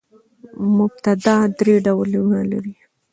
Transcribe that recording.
مبتداء درې ډولونه لري.